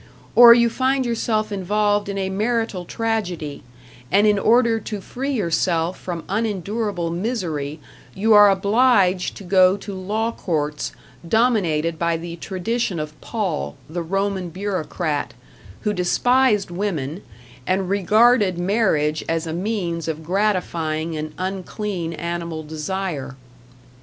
Or you find yourself involved in a marital tragedy, and in order to free yourself from unendurable misery, you are obliged to go to law courts dominated by the tradition of Paul, the Roman bureaucrat, who despised women, and regarded marriage as a means of gratifying an unclean animal desire.